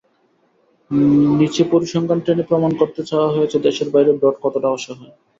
নিচে পরিসংখ্যান টেনে প্রমাণ করতে চাওয়া হয়েছে দেশের বাইরে ব্রড কতটা অসহায়।